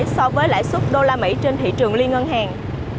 so với lãi suất usd trên thị trường liên ngân hàng